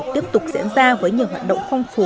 tiếp tục diễn ra với nhiều hoạt động phong phú